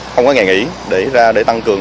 không có ngày nghỉ để tăng cường